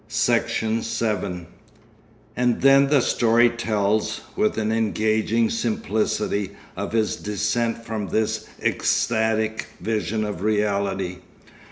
Section 7 And then the story tells, with an engaging simplicity, of his descent from this ecstatic vision of reality.